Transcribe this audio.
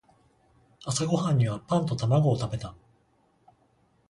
朝ごはんにはパンと卵を食べた。